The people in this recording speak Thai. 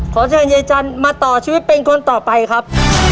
ขอเชิญยายจันทร์มาต่อชีวิตเป็นคนต่อไปครับ